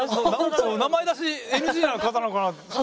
名前出しＮＧな方なのかな。